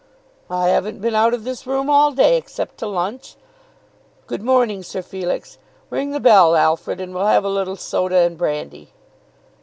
"I haven't been out of this room all day, except to lunch. Good morning, Sir Felix. Ring the bell, Alfred, and we'll have a little soda and brandy."